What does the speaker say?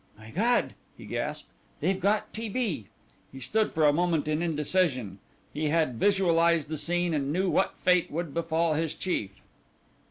"My God!" he gasped, "they've got T. B.!" He stood for a moment in indecision. He had visualized the scene and knew what fate would befall his chief.